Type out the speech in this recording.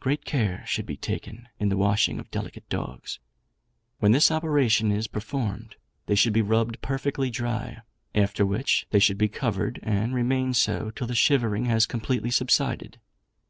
Great care should be taken in the washing of delicate dogs. When this operation is performed, they should be rubbed perfectly dry; after which they should be covered, and remain so till the shivering has completely subsided.